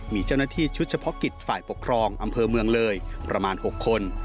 มีเจ้าหน้าที่ชุดเฉพาะกิจฝ่ายปกครองอำเภอเมืองเลยประมาณ๖คน